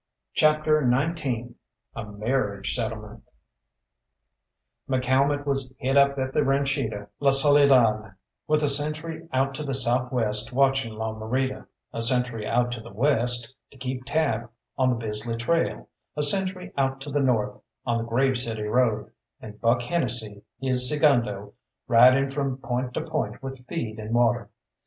CHAPTER XIX A MARRIAGE SETTLEMENT McCalmont was hid up at the ranchita La Soledad, with a sentry out to the south west watching La Morita, a sentry out to the west to keep tab on the Bisley trail, a sentry out to the north on the Grave City road, and Buck Hennesy, his segundo, riding from point to point with feed and water.